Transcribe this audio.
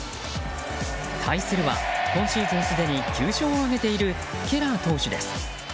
対するは今シーズンすでに９勝を挙げているケラー投手です。